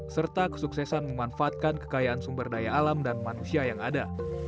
serta kesuksesan memanfaatkan kekayaan sumber daya alam dan manusia yang ada